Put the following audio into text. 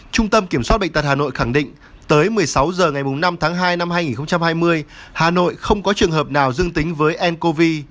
trung tâm kiểm soát bệnh tật hà nội khẳng định tới một mươi sáu h ngày năm tháng hai năm hai nghìn hai mươi hà nội không có trường hợp nào dương tính với ncov